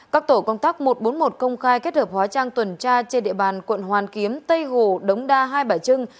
các tổ công tác một trăm bốn mươi một công khai kết hợp hóa trang tuần tra trên địa bàn quận hoàn kiếm tây hồ đống đa hai bả trưng